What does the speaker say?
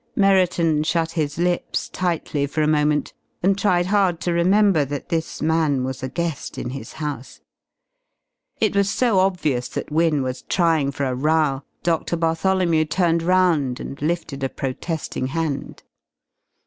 Merriton shut his lips tightly for a moment, and tried hard to remember that this man was a guest in his house. It was so obvious that Wynne was trying for a row, Doctor Bartholomew turned round and lifted a protesting hand.